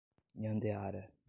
Nhandeara